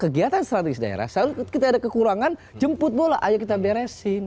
kegiatan strategis daerah selalu kita ada kekurangan jemput bola ayo kita beresin